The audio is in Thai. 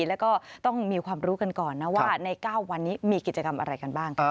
แล้วก็ต้องมีความรู้กันก่อนนะว่าใน๙วันนี้มีกิจกรรมอะไรกันบ้าง